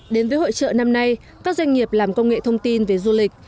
đến với hội trợ năm nay các doanh nghiệp làm công nghệ thông tin về du lịch